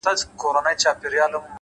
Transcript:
د زړه صفا ارام فکر رامنځته کوي’